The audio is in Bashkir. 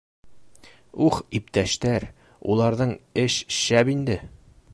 — Ух, иптәштәр, уларҙың эш шәп инде.